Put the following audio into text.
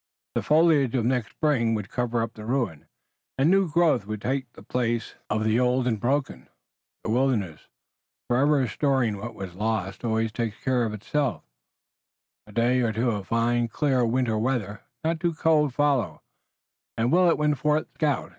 The foliage of next spring would cover up the ruin and new growth would take the place of the old and broken. The wilderness, forever restoring what was lost, always took care of itself. A day or two of fine, clear winter weather, not too cold, followed, and Willet went forth to scout.